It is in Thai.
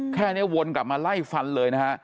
แค้นี้วนกลับมาไล่ฟันเลย